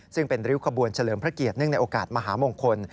ซึ่งเป็นริ้วขบวนเฉลิมพระเกียรติเนื่องในโอกาสมหามงคล